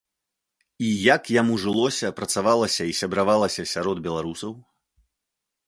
І як яму жылося, працавалася і сябравалася сярод беларусаў?